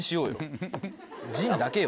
陣だけよ。